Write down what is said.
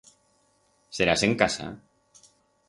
Serás en casa?